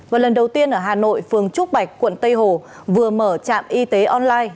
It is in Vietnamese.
và lần đầu tiên ở hà nội phường trúc bạch quận tây hồ vừa mở trạm y tế online